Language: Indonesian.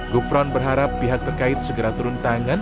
gufron berharap pihak terkait segera turun tangan